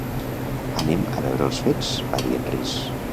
"Anem a veure els fets", va dir en Rhys.